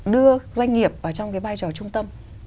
đưa doanh nghiệp vào trong cái vai trò trung tâm